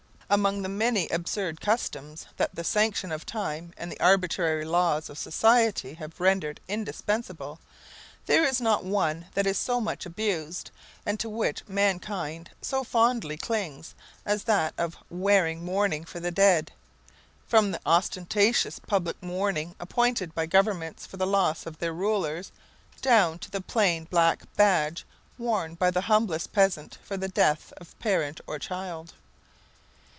M. Among the many absurd customs that the sanction of time and the arbitrary laws of society have rendered indispensable, there is not one that is so much abused, and to which mankind so fondly clings, as that of wearing mourning for the dead! from the ostentatious public mourning appointed by governments for the loss of their rulers, down to the plain black badge, worn by the humblest peasant for the death of parent or child.